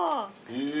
へえ。